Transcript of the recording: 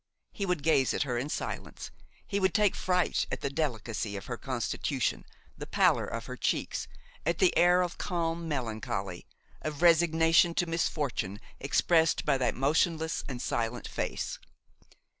He would gaze at her in silence; he would take fright at the delicacy of her constitution, the pallor of her cheeks, at the air of calm melancholy, of resignation to misfortune expressed by that motionless and silent face.